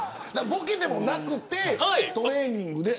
ボケでもなくてトレーニングで。